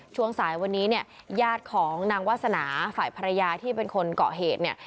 ช่วงสายวันนี้เนี่ยญาติของนางวาสนาฝ่ายภรรยาที่เป็นคนเกาะเหตุเนี่ย